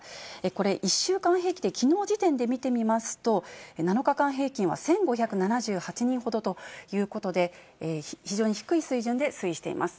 これ、１週間平均で、きのう時点で見てみますと、７日間平均は１５７８人ほどということで、非常に低い水準で推移しています。